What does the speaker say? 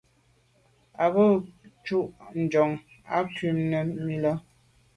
À ke njù à njon à ku’ num i là.